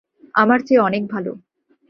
আমার চেয়ে অনেক ভালো।